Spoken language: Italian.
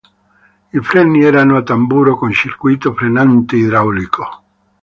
I freni erano a tamburo con circuito frenante idraulico.